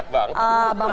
benar benar bang